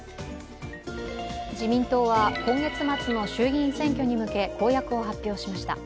自民党は今月末の衆議院選挙に向けて公約を発表しました。